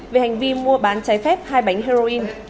về hành vi mua bán trái phép hai bánh heroin